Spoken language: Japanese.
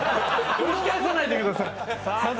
蒸し返さないでください！